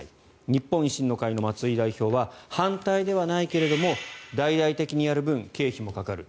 日本維新の会の松井代表は反対ではないけれども大々的にやる分経費もかかる。